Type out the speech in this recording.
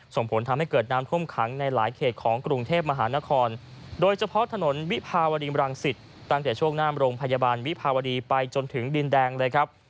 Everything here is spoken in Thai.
ส่งผลทำให้เกิดน้ำท่วมขังในหลายเขตของกรุงเทพมหานครโดยเฉพาะถนนวิภาวดีมรังสิตตั้งแต่ช่วงหน้าโรงพยาบาลวิภาวดีไปจนถึงดินแดงเลยครับ